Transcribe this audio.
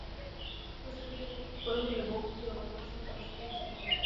শশী বলিল, একথা কী করে বললে বৌ, চিরকাল তোমার সঙ্গে তামাশা করেছি?